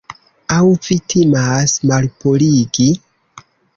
Aŭ vi timas malpurigi?